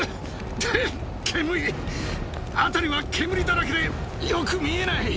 煙い、辺りは煙だらけで、よく見えない。